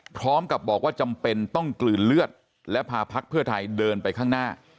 พร้อมกับบอกว่าจำเป็นต้องกลืนเลือดและพาพักเพื่อไทยเดินไปข้างหน้า